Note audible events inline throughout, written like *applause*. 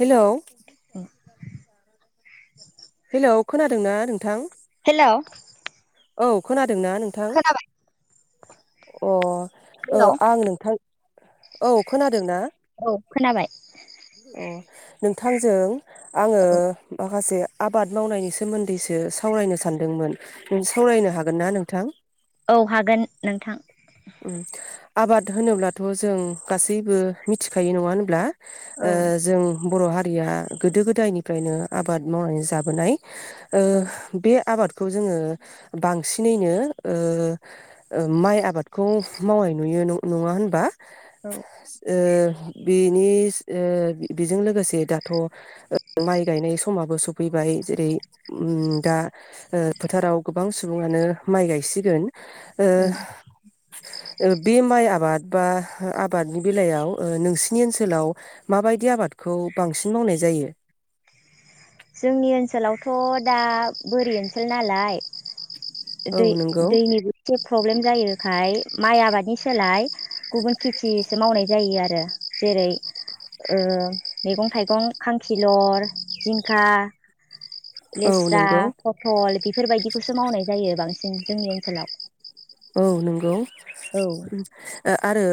Hello hello खोनादोंना नों थां हेलौ औ खोना दोंना नोंथां? अ ओ आं नोंथां औ खोनादों ना? औ खोनाबाय अ नोंथांजों आङो औ माखासे आबाद मावनायनि सोमोन्दैसो सावरायनो सानदोंमोन नों सावरायनो हागोनना नोंथां? औ हागोन नोंथां। उम आबाद होनोब्लाथ' जों गासैबो मिथिखायो नङा होनब्ला औ जों बर' हारिया गोदो गोदायनिफ्रायनो आबाद मावनानै जाबोनाय औ बे आबाद खौ जोंङो बांसिनैनो ओ माइ आबाद खौ मावनाय नुयो नंङा होनबा औ ओ बेनि बेजों लोगोसे दाथ माइ गायनाय समाबो सफैबाय जेरै दा फोथाराव गोबां सुबुङानो माइ गायसिगोन ओ उम बे माइ आबाद बा आबादनि बेलायाव नोंसिनि ओनसोलाव माबायदि आबादखौ बांसिन मावनाय जायो जोंनि ओनसोलावथ दा बोरि ओनसोल नालाय औ दै नंगौ दैनिबो एसे प्रब्लेम जायो ओम माइ आबादनि सोलाय गुबुन खेथिसे मावनाय जायो आरो जेरै मैगं थाइगं खांखिलर जिंखा औ लेस्रा नंगौ पथल बेफोरबायदिखौसो मावनाय जायो बांसिन जोंनि ओनसोलाव औ नंगौ *inaudible* औ आरो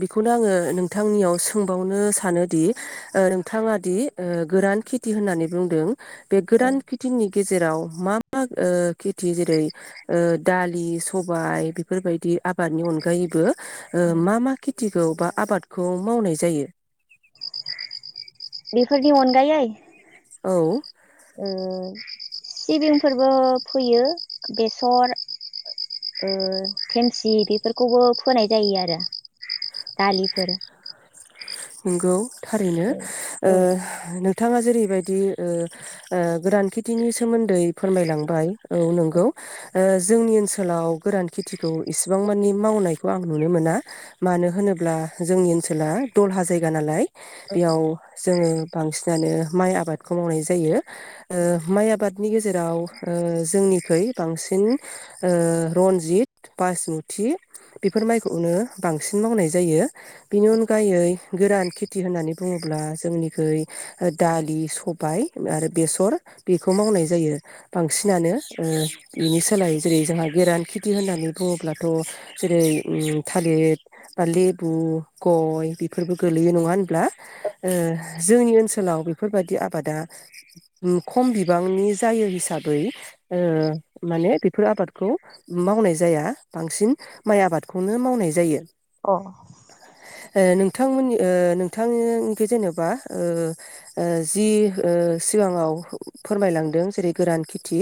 बेखौनो आंङो नोंथांनियाव सोंबावनो सानोदि नोंथाङा दि गोरान खेथि होननानै बुंदों बे गोदान औ खेथिंनि गेजेर जेराव मा मा ओ खेथि जेरै दालि सबाय सबाय बेफोरबायदि आबादनि अनगायैबो ओ मा मा खिथिखौ बबा आबादखौ मावनाय जायो। बेसोरनि अनगायै औ ओ सिबिंफोरबो फोयो बेसर ओ खेमसि बेफोरखौबो फोनाय जायो आरो दालिफोर नोंंगौ। थारैनो ओ नों बिथाङा जेरैबायदि ओ ओ गोरान खेथिनि सोमोन्दै फोरमायलांबाय औ नंगौ ओ जोंनि ओनसोलाव गोरान खेथिखौ इसिबां मानि मावनायखौ आं नुनो मोना मानो होनोब्ला जोंनि ओनसोला दलहा जायगा नालाय बेयाव जोंङो बांसिनानो माइ आबादखौ मावनाय जायो ओ माइ आबादनि गेजेराव ओ जोंनिखै बांसिन ओ रन्जित बासमुथि बेफोर माइखौनो बांसिन मावनाय जायो बेनि अनग गायै गोरान खेथि होननानै बुंङोब्ला जोंनिखै दालि सबाय आरो बेसर बेखौ मावनाय जायो बांसिनानो ओ बेनि सोलायै जेरै जोंहा गोरान खेथि होननानै बुङोब्लाथ जेरै उम थालिर बा लेबु गय बेफोरबो गोलैयो नङा होनब्ला ओ जोंनि ओनसोलाव बेफोरबायदि आबादा उम खम बिबांनि जायो हिसाबै ओ माने बेफोर आबादखौ मावनाय जाया बांसिन माइ आबादखौनो मावनाय जायो। अ' ओ नोंथांमोननि ओ नोंथांनिखै जेन'बा ओ ओ जि ओ सिगाङाव फोरमायलांदों जेरै गोरान खेथि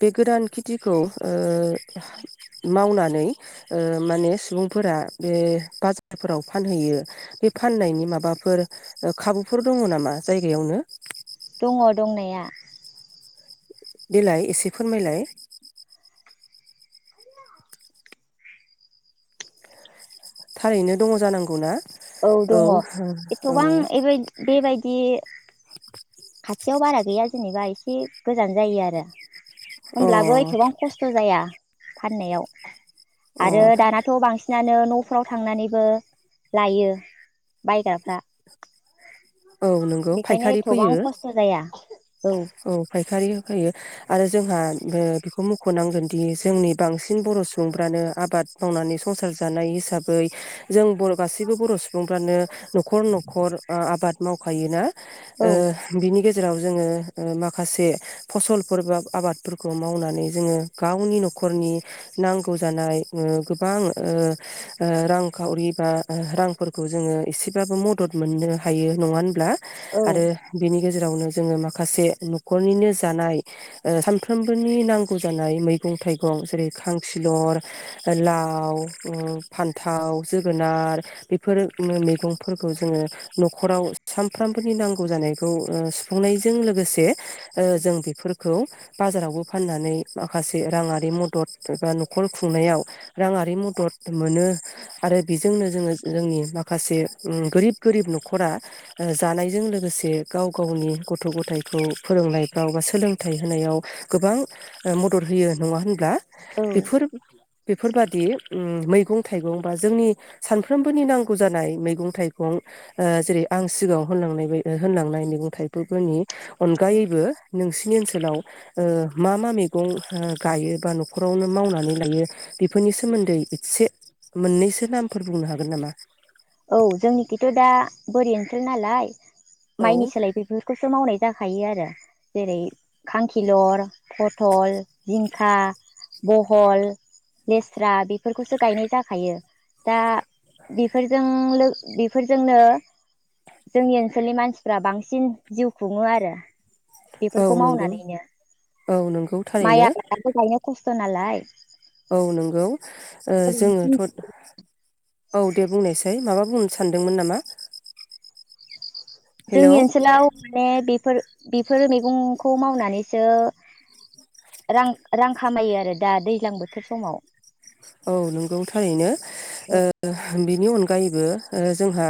बे गोरान खेथिखौ ओ मावनानै ओ माने सुबुंफोरा बे बाजार फोराव फानहैयो बे फाननायनि माबाफोर खाबुफोर दङ नामा जायगायावनो? दंङ दंनाया। देलाय थारैनो दङ जानांगौना? औ दङ' एथ'बां एबाय बेबायदि खाथियाव बारा गैया जेनेबा इसे गोजान जायो आरो औ अ होनब्लाबो एथबां खस्थ' जाया। फाननायाव। अ आरो दानाथ' बांसिन नानो न'फ्राव थांनानैबो लायो बायग्राफ्रा। औ नोंगौ बेखायनो फायखारि एथबां फैयो खस्थ' जाया औ फायखारि होफैयो। आरो जोंहा ओ बेखौ मुख'नांगोनदि जोंनि बांसिन बर' सुबुंफ्रानो आबाद मावनानै संसार जानाय हिसाबै जों बर' गासैबो बर' सुबुंफ्रानो न'खर न'खर ओ आबाद मावखायोना औ ओ बिनि गेजेराव जोङो ओ माखासे फसलफोर बा आबादफोरखौ मावनानै जोङो गावनि न'खरनि नांगौ जानाय ओ गोबां ओ ओ रांखावरि बा रांफोरखौ जोङो एसेबाबो मदद मोननो हायो। नङा होनब्ला? औ आरो बिनि गेजेरावनो जोङो माखासे न'खरनिनो जानाय ओ सानफ्रोमबोनि नांगौ जानाय मैगं थाइगं जेरै खांखिलर, लाव ओ फान्थाव, जोगोनार बेफोर मैगंफोरखौ जोङो न'ख खराव सानफ्रोमबोनि नांगौ जानायखौ ओ सुफुंनायजों लोगोसे ओ जों बेफोर खौ बाजारावबो फाननानै माखासे राङारि मदद एबा न'खर खुंनायाव राङारि मदद मोनो आरो बेजोंनो जोङो जोंनि माखासे गोरिब गोरिब न'खर खरा जानायजों लोगोसे गाव गावनि गथ' गथाइखौ फोरोंनायफ्राव बा सोलोंथाइ होनायाव गोबां ओ मदद होयो नङा होनब्ला? औ बेफोर बेफोरबादि उम मैगं थाइगं बा जोंनि सानफ्रोमबोनि नांगौ जानाय मैगं थाइगं ओ जेरै आं सिगाङाव होनलांनाय बाय होनलांनाय मैगं थाइबोफोरनि औ अनगायैबो नोंसि नि ओनसोलाव ओ मा मा मैगं गायो बा न'खरावनो मावनानै लायो बेफोरनि सोमोन्दै इसे मोननैसो नामफोर बुंनो हागोन नामा? औ जोंनिखिथ' दा बोरि ओनसोल नालाय औ माइनि सोलाय बेफोरखौसो मावनाय जाखायो आरो जेरै खांखिलर फथल, जिंखा, बहल, लेस्रा बेफोरखौसो गायनाय जाखायो दा बेफोर जों लो बेफोरजोंनो जोंनि ओनसोलनि मानसिफ्रा बांसिन जिउ खुङो आरो औ बेफोरखौ नंगौ मावनानैनो औ नंगौ माइ थारैनो आबादाबो गायनो खस्थ त नालाय औ नंगौ ओ जोङोथ' औ दे बुंनायसाय माबा बुंनो सानदोंमोन नामा? हेलौ जोंनि ओनसोलाव माने बेफोर बेफोरो मैगंखौ मावनानैसो रां रां खामायो आरो दा दैज्लां बोथोर समाव। औ नंगौ थारैनो औ ओ बिनि अनगायैबो ओ जोंहा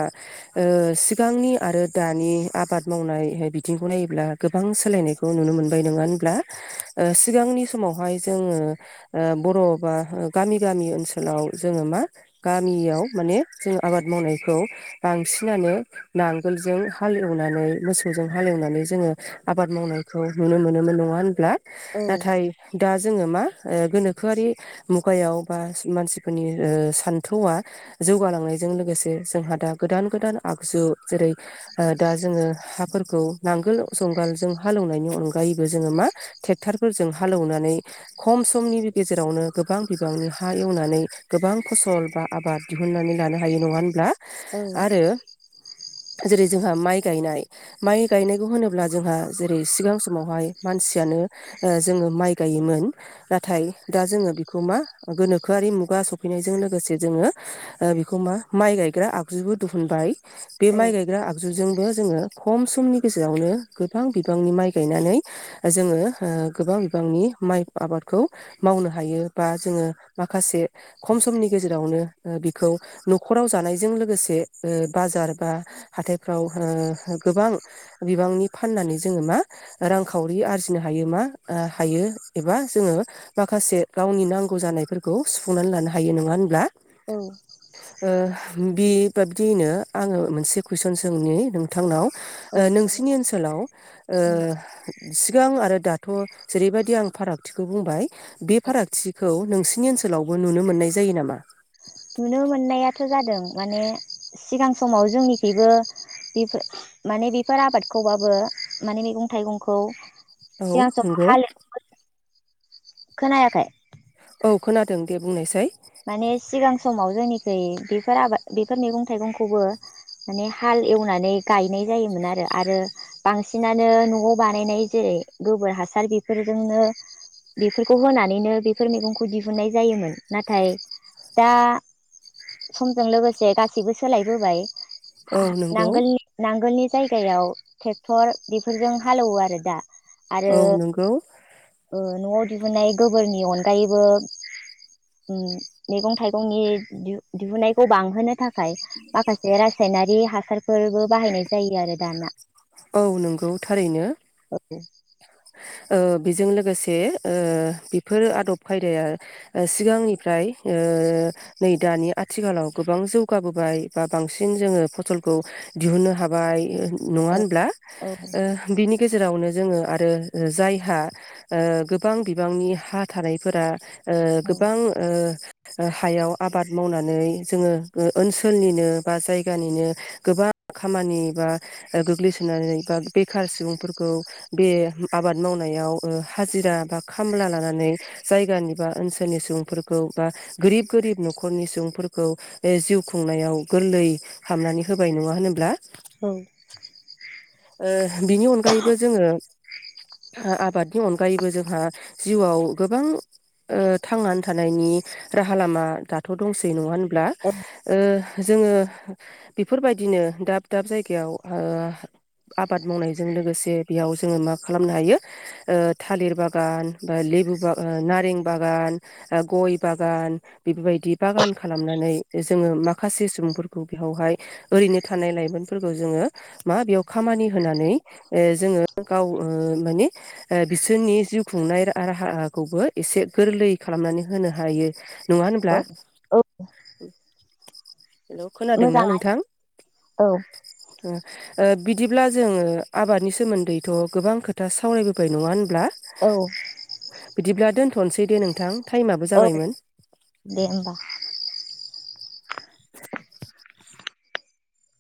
ओ सिगांनि आरो दानि आबाद मावनाय बिथिंखौ नायोब्ला गोबां सोलायनायखौ नुनो मोनबाय नङा होनब्ला ओ सिगांनि समावहाय जोङो ओ बर' बा ओ गामि गामि ओनसोलाव जोङो मा गामियाव माने जों आबाद मावनायखौ बांसिनानो नांगोलजों हालेवनानै मोसौजों हालेवनानै जोङो आबाद मावनायखौ नुनो मोनोमोन नङा होनब्ला? औ नाथाय दा जोङो मा गोनोखोआरि मु गायाव बा मानसिफोरनि ओ सान्थौआ जौगालांनायजों लोगोसे जोंहा दा गोदान-गोदान आगजु जेरै ओ दा जोङो हाफोरखौ नांगोल जंगालजों हालौवनायनि अनगायैबो जोङो मा ट्रेक्टारफोरजों हालौवनानै खम समनि गेजेरावनो गोबां बिबांनि हा एवनानै गोबां फसल बा आबाद दिहुनन्नानै लानो हायो नङा होनब्ला औ आरो जेरै जोंहा माइ गायनाय माइ गायनायखौ होनोब्ला जोंहा जेरै सिगां समावहाय मानसियानो ओ जोङो माइ गायोमोन नाथाय दा जोङो बि बेखौ मा गोनोखोआरि मुगा सफैनायजों लोगोसे जोङो ओ बेखौ मा माइ गायग्रा आगजुबो दिहुनबाय बे माइ गायग्रा आगजु जुजोंबो जोङो खम समनि गेजेरावनो गोबां बिबांनि माइ गायनानै जोङो ओ गोबां बिबांनि माइ आबादखौ मावनो हायो बा जोङो माखासे खम समनि गेजेरावनो ओ बिखौ नखराव जानायजों लोगोसे ओ बाजार बा हाथायफ्राव ओ गोबां बिबांनि फाननानै जोङो मा रांखावरि आरजिनो हायो मा ओ हायो एबा जोङो माखासे गावनि नांगौ जानायफोरखौ सुफुंनानै लानो हायो नङा होनब्ला औ ओ बेबाबदियैनो आङो मोनसे कुइसन सोंनि नोंथांनाव औ नोंसिनि ओनसोलाव ओ सिगां आरो दानि थ जेरैबायदि आं फारागथिखौ बुंबाय फारागथिखौ नोंसि नि ओनसोलावबो नुनो मोननाय जायो नामा नुनो मोननायाथ जादों माने सिगां समाव जोंनिखैबो बेफोर माने बेफोर आबादखौबाबो माने मैगं थाइगंखौ औ सिगां समाव नंगौ हाल *inaudible* खोनायाखै औ खोनादों दे बुंनायसाय माने सिगां समाव जोंनिखै बेफोर आबाद बेफोर मैगं थाइगंखौबो माने हाल एवनानै गायनाय जायोमोन आरो आरो बांसिनानो नआव बानायनाय जेरै गोबोर हासार बेफोरजोंनो बेफोरखौ होनानैनो बेफोर मैगंखौ दिहुननाय जायोमोन नाथाय नाथाय दा समजों लोगोसे गासैबो सोलायबोबाय हा औ - हा नंगौ नांगोलनि नांगोलनि जायगायाव ट्रेक्टर बेफोरजों हालेवो आरो दा आरो औ नंगौ ओ नआव दिहुनाय गोबोरनि अनगायैबो उम मैगं थाइगंनि दिहुननायखौ बांहोनो थाखाय माखासे रायनारि हासारफोरबो बाहायनाय जायो आरो दाना औ नंगौ थारैनो औ ओ बेजों लोगोसे ओ बेफोरो आदब खायदाया सिगांनिफ्राय ओ नै दानि आथिखालाव गोबां जौगाबोबाय बा बांसिन जोङो फसलखौ दिहुननो हाबाय नङा होन औ बिनि गेजेरावनो जोङो आरो जायहा ओ गोबां बिबांनि हा थानायफोरा ओ गोबां ओ ओ हायाव आबाद मावनानै जोङो ओनसोलनिनो बा जायगानिनो गोबां खामानि बा गोग्लैसो नानै बा बेखार सुबुंफोरखौ बे आबाद मावनायाव हाजिरा बा खामला लानानै जायगानि बा ओनसोलनि सुबुंफोरखौ बा गोरिब गोरिब न'खरनि सुबुंफोरखौ जिउ खुंनायाव गोरलै खालामनानै होबाय नङा होनब्ला? औ। ओ बिनि अनगायैबो जोङो, आबादनि अनगायैबो जोंहा जिउआव गोबां ओ थांनानै थानायनि राहा लामा दाथ' दंसै नङा होन ब्ला ओ जोङो बेफोरबायदिनो दाब दाब जायगायाव ओ आबाद मावनायजों लोगोसे बेयाव जोङो मा खालामनो हायो ओ थालिर बागान बा लेबु बागान, नारें बागान, गय बागान बेफोरबायदि बागान खालामनानै जोङो माखासे सुबुंफोरखौ बेयावहाय ओरैनो थानाय लाइमोनफोरखौ जोङो मा बेयाव खामानि होनानै ओ जोङो गाव ओ माने बिसोरनि जिउ खुंनाय राहाखौबो एसे गोरलै खालामनानै होनो हायो। नङा होनब्ला? औ औ हेल' खोनादोंना मोजां नोंथां? औ ओ बिदिब्ला जोङो आबादनि सोमोन्दैथ' गोबां खोथा सावरायबोबाय नङा होनबा? औ बिदिब्ला दोनथ'नोसै दे नोंथां टाइमाबो औ जाबायमोन। दे होमबा।